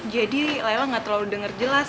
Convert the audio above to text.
jadi lela gak terlalu denger jelas